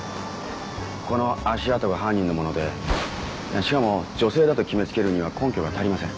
この足跡が犯人のものでしかも女性だと決めつけるには根拠が足りません。